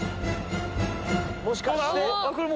もしかして。